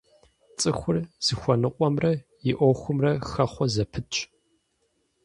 ЦӀыхур зыхуэныкъуэмрэ и Ӏуэхумрэ хэхъуэ зэпытщ.